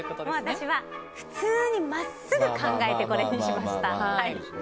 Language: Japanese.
私は、普通に真っすぐ考えてこれにしました。